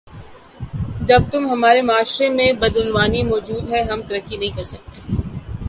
جب تم ہمارے معاشرے میں بدعنوانی موجود ہے ہم ترقی نہیں کرسکتے